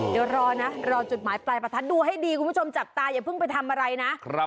เดี๋ยวรอนะรอจุดหมายปลายประทัดดูให้ดีคุณผู้ชมจับตาอย่าเพิ่งไปทำอะไรนะ